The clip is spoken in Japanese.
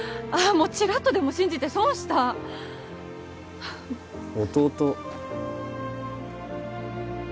もうちらっとでも信じて損した弟